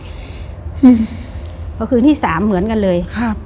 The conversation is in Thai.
เพราะคือที่๓เหมือนกันเลย